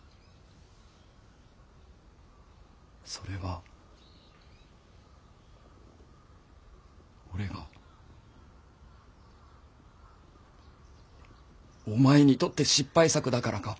それは俺がお前にとって失敗作だからか？